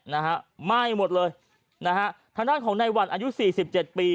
นะฮะไหม้หมดเลยนะฮะทางด้านของในวันอายุสี่สิบเจ็ดปี